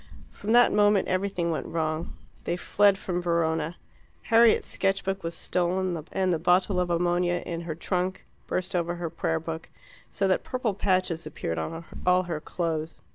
From that moment everything went wrong. They fled from Verona. Harriet's sketch book was stolen, and the bottle of ammonia in her trunk burst over her prayer book, so that purple patches appeared on all her clothes.